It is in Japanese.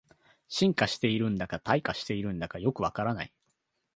進化してるんだか退化してるんだかよくわからない